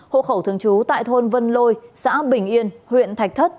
hộ khẩu thường trú tại thôn vân lôi xã bình yên huyện thạch thất